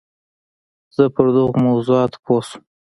زه پر دغو موضوعاتو پوه شوم.